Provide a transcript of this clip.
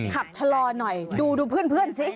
ขับชะลอหน่อยดูเพื่อนสิ